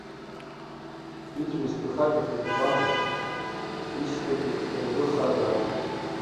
Изжәыз сԥырхагахеит убама, исҳәогьы хьырвырхазар акәхап.